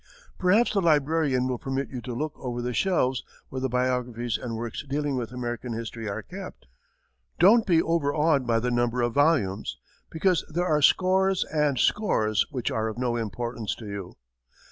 Perhaps the librarian will permit you to look over the shelves where the biographies and works dealing with American history are kept. Don't be over awed by the number of volumes, because there are scores and scores which are of no importance to you.